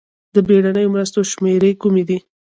د بېړنیو مرستو شمېرې کومې دي؟